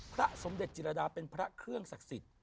พระสมเด็จจิรดาเป็นพระเครื่องศักดิ์สิทธิ์